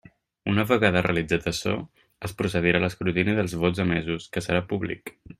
Una vegada realitzat açò, es procedirà a l'escrutini dels vots emesos, que serà públic.